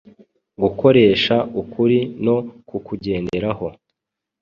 Gukoresha ukuri no kukugenderaho.